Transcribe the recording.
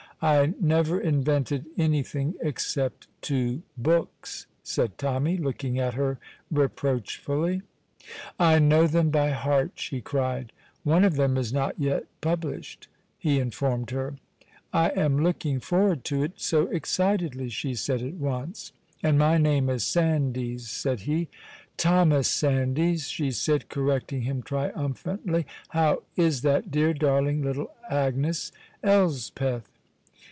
"I never invented anything, except two books," said Tommy, looking at her reproachfully. "I know them by heart," she cried. "One of them is not published yet," he informed her. "I am looking forward to it so excitedly," she said at once. "And my name is Sandys," said he. "Thomas Sandys," she said, correcting him triumphantly. "How is that dear, darling little Agnes Elspeth?"